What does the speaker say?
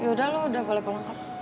iyudeh lo udah boleh powlagkot